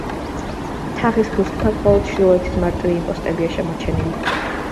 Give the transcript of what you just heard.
თაღის ქუსლთან მხოლოდ ჩრდილოეთის მარტივი იმპოსტებია შემორჩენილი.